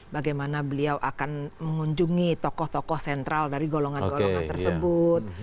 bagaimana beliau akan mengunjungi tokoh tokoh sentral dari golongan golongan tersebut